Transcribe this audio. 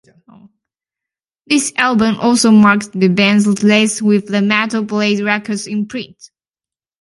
This album also marked the band's last with the Metal Blade Records imprint.